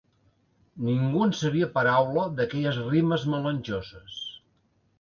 Ningú en sabia paraula d'aquelles rimes melangioses